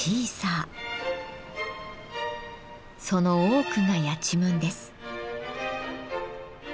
その多くがやちむんです。